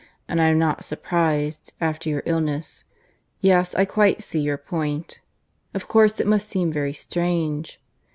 "And I'm not surprised, after your illness. ... Yes I quite see your point. Of course it must seem very strange.